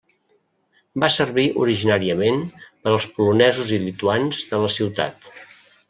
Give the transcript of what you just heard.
Va servir originàriament per als polonesos i lituans de la ciutat.